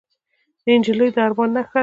نجلۍ د ارمان نښه ده.